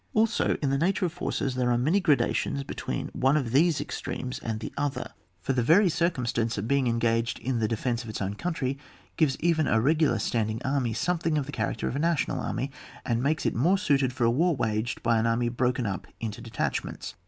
Also in the nature of forces there are many gradations between one of these extremes and the other, for the very cir cumstance of being engaged in the de CHAP, xvn.] ON COUNTRY AND GROUND. 63 fence of its own cotmtiy gives to even a regular standing army something of the character of a national army, and makes it more suited for a war waged by an army broken up into de tachments.